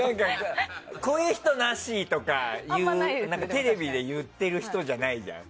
こういう人、なし！とかテレビで言ってる人じゃないじゃん。